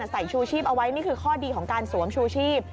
ใส่ชูชีพเอาไว้นี่คือข้อดีของการสวมชูชีพ